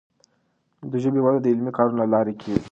د ژبي وده د علمي کارونو له لارې کیږي.